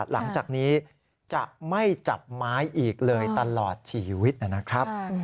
หลังจากนี้จะไม่จับไม้อีกเลยตลอดชีวิตนะครับ